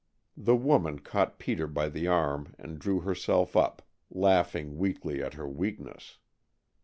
The woman caught Peter by the arm and drew herself up, laughing weakly at her weakness.